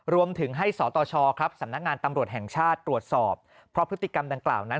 รวมถึงให้สตชครับสำนักงานตำรวจแห่งชาติตรวจสอบเพราะพฤติกรรมดังกล่าวนั้น